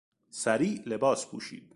سریع لباش پوشید.